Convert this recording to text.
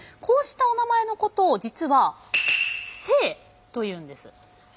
こうしたおなまえのことを実は姓というんです。